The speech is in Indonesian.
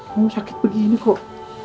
aku sakit begini kok